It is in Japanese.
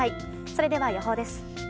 それでは予報です。